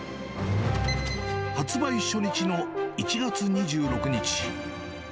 発売初日の１月２６日。